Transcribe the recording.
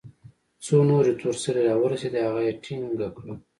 څو نورې تور سرې راورسېدې هغه يې ټينګه كړه.